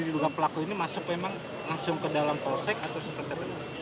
sejujurnya dok pelaku ini masuk memang langsung ke dalam proses atau seperti itu